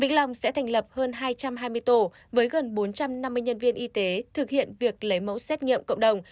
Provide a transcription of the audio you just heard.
vĩnh long sẽ thành lập hơn hai trăm hai mươi tổ với gần bốn trăm năm mươi nhân viên y tế thực hiện việc lấy mẫu xét nghiệm cộng đồng